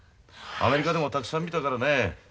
アメリカでもたくさん見たからね。